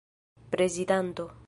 prezidanto